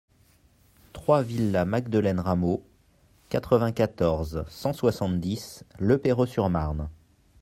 trois villa Magdeleine Rameau, quatre-vingt-quatorze, cent soixante-dix, Le Perreux-sur-Marne